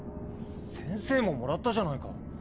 先生ももらったじゃないか。